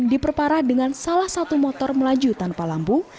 diperparah dengan salah satu motor melaju tanpa lampu